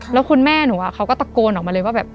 แล้วคุณแม่หนูเขาก็ตะโกนออกมาเลยว่าแบบ